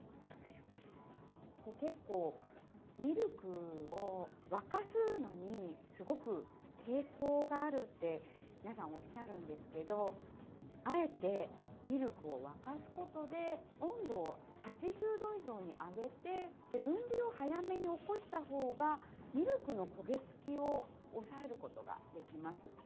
結構、ミルクを沸かすのにすごく抵抗があるって皆さんおっしゃるんですけどあえてミルクを沸かすことで温度を８０度以上に上げて分離を早めに起こした方がミルクの焦げ付きを抑えることができます。